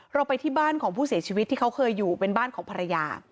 เราไปที่บ้านของผู้เสียชีวิตที่เขาเคยอยู่เป็นบ้านของภรรยา